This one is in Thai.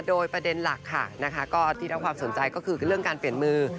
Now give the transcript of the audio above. โดยประเด็นหลักค่ะนะคะก็ที่รับความสนใจก็คือเรื่องการเปลี่ยนมือ